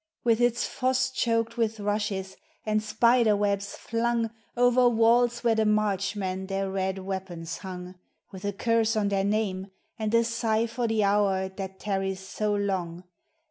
With its foss choked with rushes, and spider webs flung, Over walls where the marchmen their red weapons hung, With a curse on their name, and a sigh for the hour That tarries so long.